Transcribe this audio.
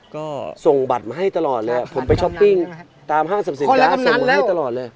ก็ส่งบัตรมาให้ตลอดเลยผมไปช้อปปิ้งตามห้างสรรพสินค้าส่งมือให้ตลอดเลย